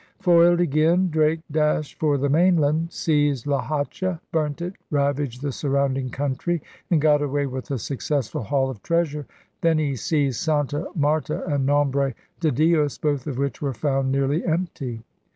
Foiled again, Drake dashed for the mainland, seized La Hacha, burnt it, ravaged the surround ing country, and got away with a successful haul of treasure; then he seized Santa Marta and Nombre de Dios, both of which were found nearly empty.